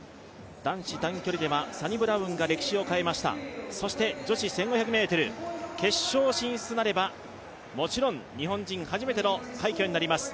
男子短距離ではサニブラウンが歴史を変えましたそして女子１５００ｍ決勝進出までは、もちろん日本人初めての快挙になります。